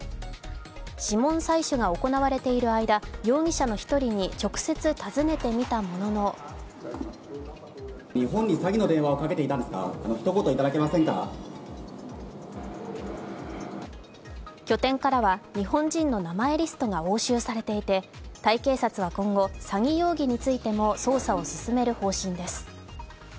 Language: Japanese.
指紋採取が行われている間容疑者の１人に直接尋ねてみたものの拠点からは日本人の名前リストが押収されていてタイ警察は今後、詐欺容疑についても捜査を進める方針です。